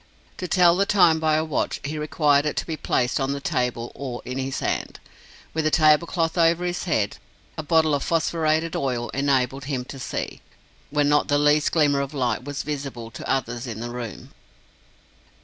To tell the time by a watch, he required it to be placed on the table, or in his hand. With the tablecloth over his head, a bottle of phosphorated oil enabled him to see, when not the least glimmer of light was visible to others in the room.